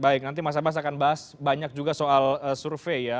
baik nanti mas abbas akan bahas banyak juga soal survei ya